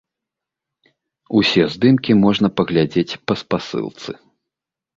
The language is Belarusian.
Усе здымкі можна паглядзець па спасылцы.